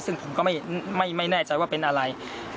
ซึ่งผมก็ไม่แน่ใจว่าเป็นอะไร